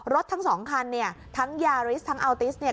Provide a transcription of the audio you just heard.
ทั้งสองคันเนี่ยทั้งยาริสทั้งอัลติสเนี่ย